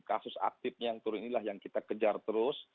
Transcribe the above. kasus aktifnya yang turun inilah yang kita kejar terus